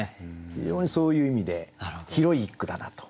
非常にそういう意味で広い一句だなと。